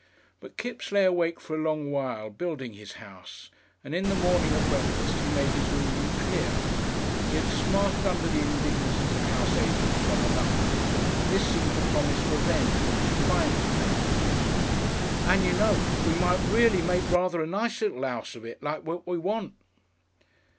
But Kipps lay awake for a long while building his house, and in the morning at breakfast he made his meaning clear. He had smarted under the indignities of house agents long enough, and this seemed to promise revenge a fine revenge. "And, you know, we might reely make rather a nice little 'ouse out of it like we want."